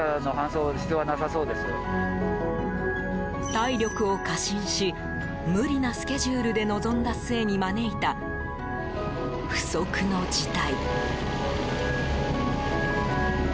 体力を過信し無理なスケジュールで臨んだ末に招いた不測の事態。